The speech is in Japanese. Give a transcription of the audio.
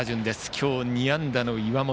今日２安打の岩本。